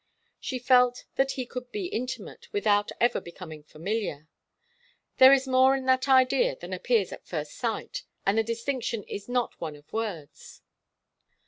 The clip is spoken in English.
She felt that he could be intimate without ever becoming familiar. There is more in that idea than appears at first sight, and the distinction is not one of words.